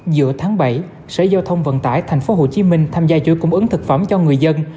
giữa tháng bảy sở giao thông vận tải tp hcm tham gia chuỗi cung ứng thực phẩm cho người dân